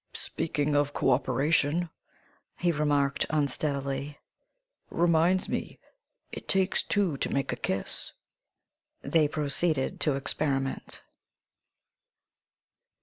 "Speaking of cooperation," he remarked unsteadily, "reminds me it takes two to make a kiss!" They proceeded to experiment.